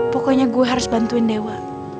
pokoknya gue harus bantuin dewa